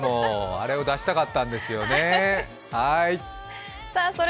あれを出したかったんですよね、はい。